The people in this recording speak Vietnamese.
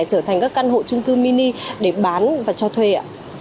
trở thành các căn hộ trung cư mini để bán và cho thuê ạ